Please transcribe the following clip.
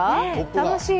楽しい。